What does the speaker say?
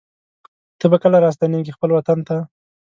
ته به کله راستنېږې خپل وطن ته